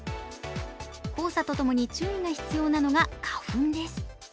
黄砂とともに注意が必要なのが花粉です。